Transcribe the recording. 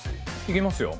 いきますよ